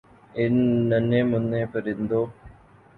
ان ننھے مننھے پرندوں